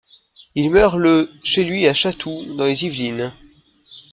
Il meurt le chez lui à Chatou, dans les Yvelines.